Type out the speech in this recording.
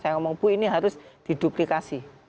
saya ngomong bu ini harus diduplikasi